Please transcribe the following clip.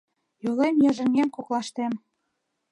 Йолем-йыжыҥем коклаштем.